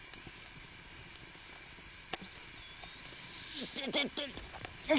いててて。